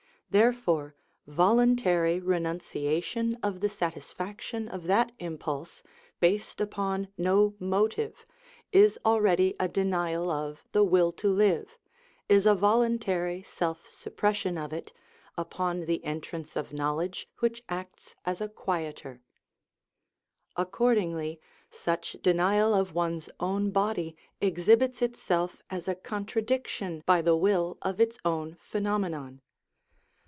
Therefore voluntary renunciation of the satisfaction of that impulse, based upon no motive, is already a denial of the will to live, is a voluntary self suppression of it, upon the entrance of knowledge which acts as a quieter. Accordingly such denial of one's own body exhibits itself as a contradiction by the will of its own phenomenon.